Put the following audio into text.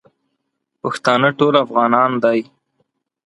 پښتانه ټول افغانان دی